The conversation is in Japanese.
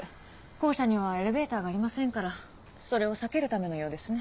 校舎にはエレベーターがありませんからそれを避けるためのようですね。